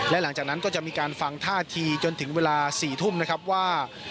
และหลังจากนั้นก็จะมีการฟังท่าทีจนถึงเวลา๔ทุ่มนะครับว่า